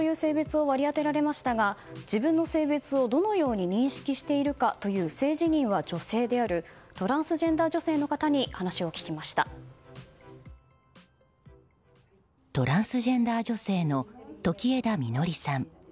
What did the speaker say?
出生時に男性という性別を割り当てられましたが自分の性別をどのように認識しているかという性自認は女性であるトランスジェンダー女性の方にトランスジェンダー女性の時枝穂さん。